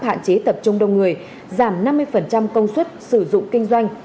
hạn chế tập trung đông người giảm năm mươi công suất sử dụng kinh doanh